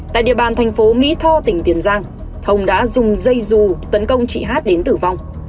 tại địa bàn thành phố mỹ tho tỉnh tiền giang thông đã dùng dây dù tấn công chị hát đến tử vong